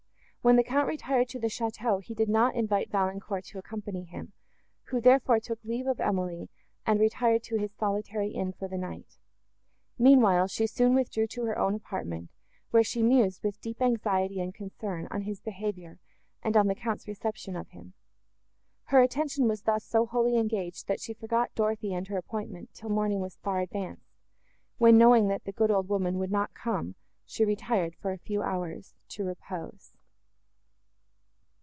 When the Count retired to the château, he did not invite Valancourt to accompany him, who, therefore, took leave of Emily, and retired to his solitary inn for the night: meanwhile, she soon withdrew to her own apartment, where she mused, with deep anxiety and concern, on his behaviour, and on the Count's reception of him. Her attention was thus so wholly engaged, that she forgot Dorothée and her appointment, till morning was far advanced, when, knowing that the good old woman would not come, she retired, for a few hours, to repose.